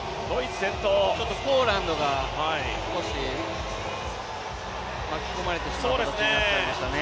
ポーランドが少し巻き込まれた形になってしまいましたね。